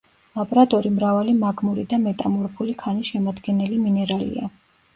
ლაბრადორი მრავალი მაგმური და მეტამორფული ქანის შემადგენელი მინერალია.